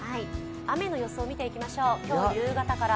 雨の予想を見ていきましょう、今日夕方から。